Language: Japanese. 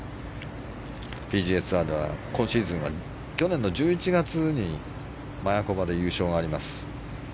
ＰＧＡツアーでは、今シーズンは去年の１１月にマヤコバで優勝があります。